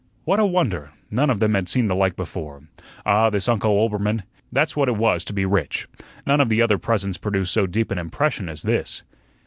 What a wonder! None of them had seen the like before. Ah, this Uncle Oelbermann! That's what it was to be rich. Not one of the other presents produced so deep an impression as this.